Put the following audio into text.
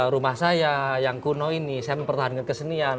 rumah saya yang kuno ini saya mempertahankan kesenian